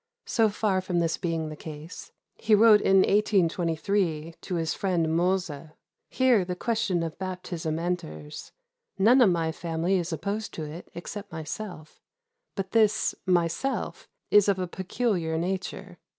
So far from this being the case, he wrote in 1823 to his friend Moser: "Here the question of baptism enters; none of my family is opposed to it except myself; but this myself is of a peculiar nature.